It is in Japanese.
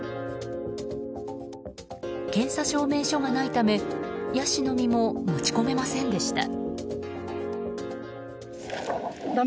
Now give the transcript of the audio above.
検査証明書がないためヤシの実も持ち込めませんでした。